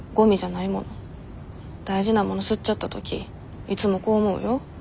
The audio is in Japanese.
大事なもの吸っちゃった時いつもこう思うよ。